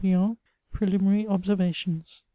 PRELIMINARY OBSERVATIONS.